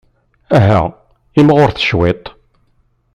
Aha, imɣuret cwiṭ!